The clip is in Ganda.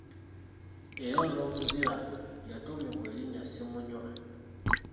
Era olw’obuzira bwe yatuumibwa erinnya Ssemunywa.